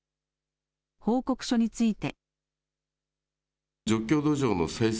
報告書について。